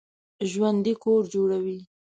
ژوندي کور جوړوي